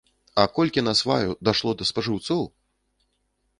А колькі насваю дайшло да спажыўцоў!